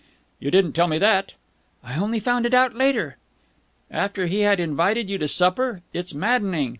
"You didn't tell me that." "I only found it out later." "After he had invited you to supper! It's maddening!"